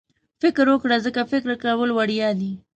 فکر وکړه ځکه فکر کول وړیا دي.